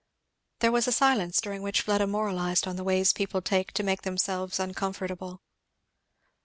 There was a silence, during which Fleda moralized on the ways people take to make themselves uncomfortable.